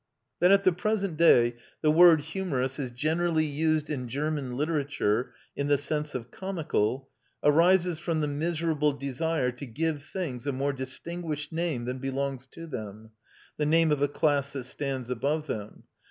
That at the present day the word humorous is generally used in German literature in the sense of comical arises from the miserable desire to give things a more distinguished name than belongs to them, the name of a class that stands above them.